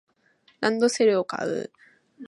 ランドセルを買う